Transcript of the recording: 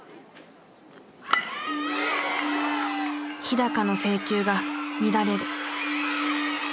日の制球が乱れる。